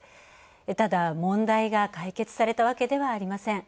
ただ、問題が解決されたわけではありません。